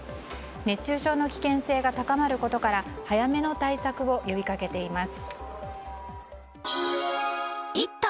熱中症の危険性が高まることから早めの対策を呼びかけています。